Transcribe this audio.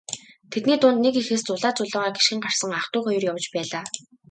Тэдний дунд нэг эхээс зулай зулайгаа гишгэн гарсан ах дүү хоёр явж байлаа.